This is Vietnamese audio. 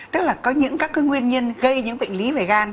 tức là có những các nguyên nhân gây những bệnh lý về gan